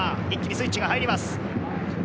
一気にスイッチが入ります。